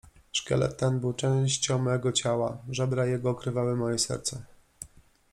Szkielet ten był częścią mego ciała, żebra jego okrywały moje serce.